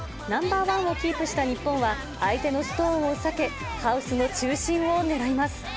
ナンバー１をキープした日本は、相手のストーンを避け、ハウスの中心を狙います。